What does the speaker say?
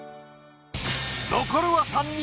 残るは３人。